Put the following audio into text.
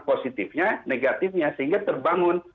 positifnya negatifnya sehingga terbangun